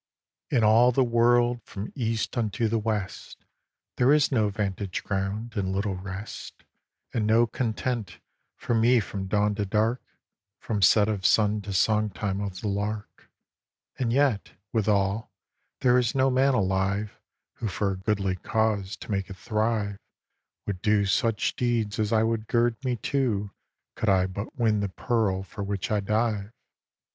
In all the world, from east unto the west, There is no vantage ground, and little rest, And no content for me from dawn to dark, From set of sun to song time of the lark, And yet, withal, there is no man alive Who for a goodly cause to make it thrive, Would do such deeds as I would gird me to Could I but win the pearl for which I dive.